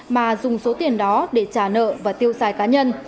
mà dùng số tiền đó để trả nợ và tiêu xài cá nhân